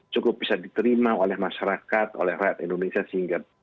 cukup bisa diterima oleh masyarakat oleh rakyat indonesia sehingga